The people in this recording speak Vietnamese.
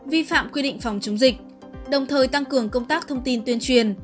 vi phạm quy định phòng chống dịch đồng thời tăng cường công tác thông tin tuyên truyền